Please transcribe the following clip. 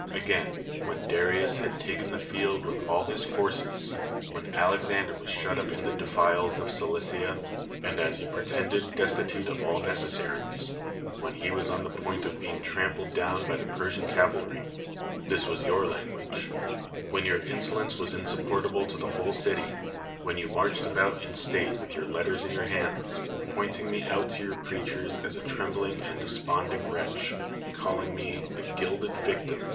Again, when Darius had fallen fhe field with all his forces; when Alexander was shut up in the defiles of Cilieia. and. as you pretended destitute of all necessarii^s; when he was on the point of being trami)letl down by the Persian cavalry (this was your language) ; when your insolence was insupportable to the whole eify; when you marched about in state with your hitters in your hands, ])oinfing me ont to your creatures as a tremliliriL'' and (Icspoiiding wretch, calling me the "gilded victini."